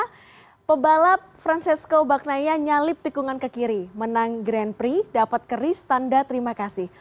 karena pebalap francisco bagnaya nyalip tikungan ke kiri menang grand prix dapat keris tanda terima kasih